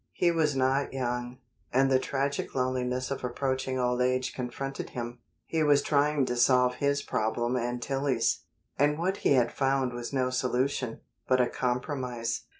He was not young, and the tragic loneliness of approaching old age confronted him. He was trying to solve his problem and Tillie's, and what he had found was no solution, but a compromise.